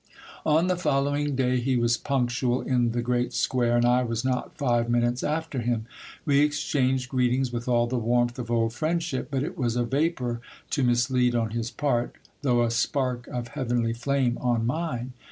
On the following day he was punctual in the great square, and I was not five minutes after him. We exchanged greetings with all the warmth of old friendship ; but it was a vapour to mislead on his part, though a spark of hea venly flame on mine.